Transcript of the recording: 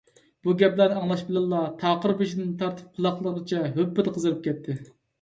بۇ گەپلەرنى ئاڭلاش بىلەنلا تاقىر بېشىدىن تارتىپ قۇلاقلىرىغىچە ھۈپپىدە قىزىرىپ كەتتى.